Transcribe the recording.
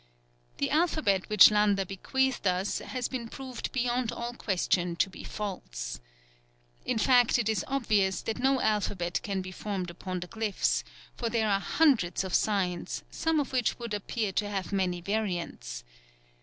The alphabet which Landa bequeathed us has been proved beyond all question to be false. In fact it is obvious that no alphabet can be formed upon the glyphs, for there are hundreds of signs, some of which would appear to have many variants.